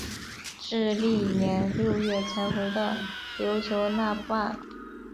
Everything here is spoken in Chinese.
至翌年六月才回到琉球那霸。